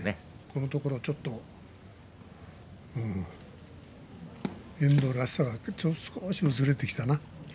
このところ、ちょっと遠藤らしさが少し薄れてきたな。